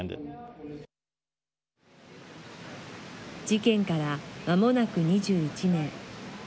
事件から、まもなく２１年。